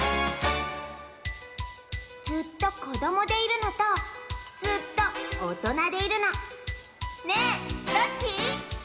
ずっとこどもでいるのとずっとおとなでいるのねえどっち？